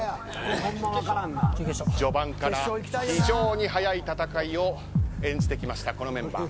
序盤から非常に速い戦いを演じてきました、このメンバー。